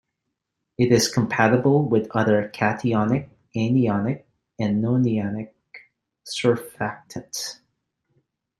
It is compatible with other cationic, anionic, and nonionic surfactants.